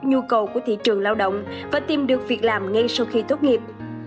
nhu cầu của thị trường lao động và tìm được việc làm ngay sau khi tốt nghiệp